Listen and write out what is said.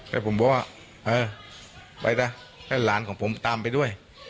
แล้วผมบอกว่าเออไปนะให้หลานของผมตามไปด้วย